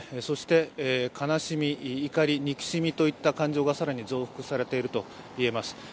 そして悲しみ、怒り、憎しみといった感情が感情が更に増幅されているといえます。